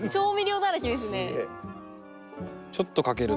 ちょっとかけると。